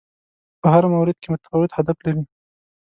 په هر مورد کې متفاوت هدف لري